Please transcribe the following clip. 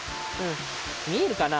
みえるかな？